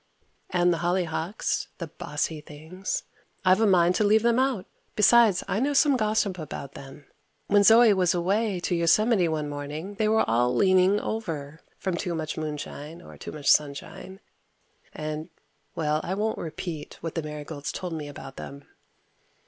And the hollyhocks, the bossy things, I've a mind to leave them out. Besides I know some gossip about them. When Zoe was away to Yosemite one morning they were all leaning over from too much moonshine or too much sunshine and well, I won't repeat what the marigolds told me about them.